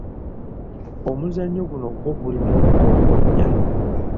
Omuzannyo guno gwo gulimu okukongojja.